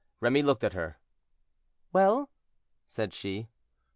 Remy looked at her. "Well?" said she.